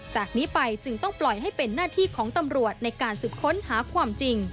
จากนี้ไปจึงต้องปล่อยให้เป็นหน้าที่ของตำรวจในการสืบค้นหาความจริง